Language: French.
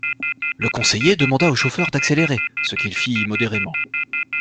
Le conseiller demanda au chauffeur d’accélérer, ce qu’il fit, modérément.